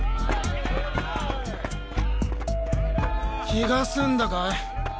・気がすんだかい？